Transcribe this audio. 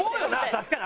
確かに。